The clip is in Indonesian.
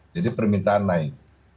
jadi permintaan naik